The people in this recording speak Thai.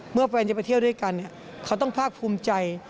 เมื่อแฟนจะไปเที่ยวด้วยกันเขาต้องภาคภูมิใจ